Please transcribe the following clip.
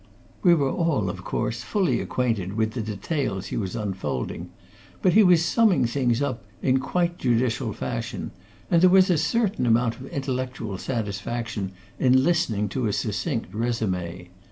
We were all, of course, fully acquainted with the details he was unfolding, but he was summing things up in quite judicial fashion, and there was a certain amount of intellectual satisfaction in listening to a succinct résumé.